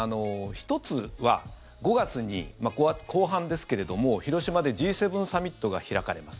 １つは５月に５月後半ですけれども広島でＧ７サミットが開かれます。